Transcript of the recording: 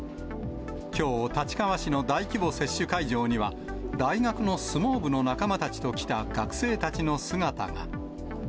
きょう、立川市の大規模接種会場には、大学の相撲部の仲間たちと来た学生たちの姿が。